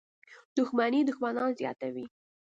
• دښمني دښمنان زیاتوي.